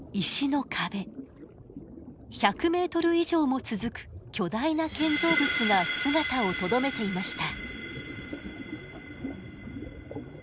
１００メートル以上も続く巨大な建造物が姿をとどめていました。